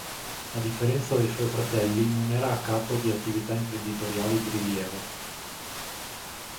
A differenza dei suoi fratelli non era a capo di attività imprenditoriali di rilievo.